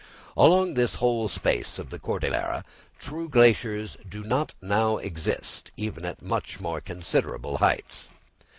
Along this whole space of the Cordillera true glaciers do not now exist even at much more considerable heights.